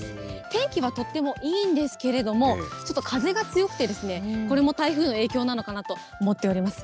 天気はとってもいいんですけれども、ちょっと風が強くてですね、これも台風の影響なのかなと思っております。